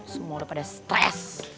semua udah pada stres